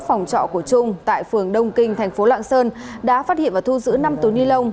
phòng trọ của trung tại phường đông kinh thành phố lạng sơn đã phát hiện và thu giữ năm túi ni lông